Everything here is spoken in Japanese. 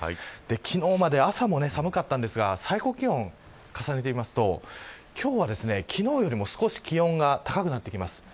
昨日は朝も寒かったのですが最高気温を重ねてみると今日は昨日よりも少し気温が高くなります。